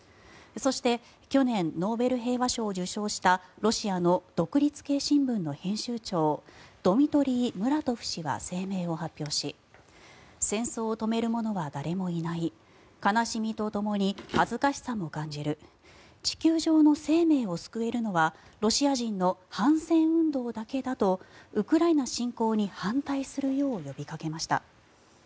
そして去年ノーベル平和賞を受賞したロシアの独立系新聞の編集長ドミトリー・ムラトフ氏は声明を発表し戦争を止める者は誰もいない悲しみとともに恥ずかしさも感じる地球上の生命を救えるのはロシア人の反戦運動だけだとウクライナ侵攻に反対するよう呼びかけました。